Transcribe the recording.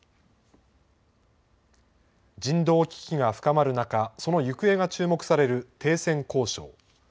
人道危機が深まる中、その行方が注目される停戦交渉。